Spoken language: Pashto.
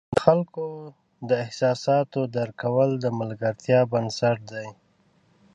د خلکو د احساساتو درک کول د ملګرتیا بنسټ دی.